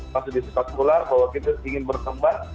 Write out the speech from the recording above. masih disekat pular bahwa kita ingin berkembang